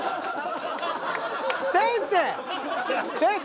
先生。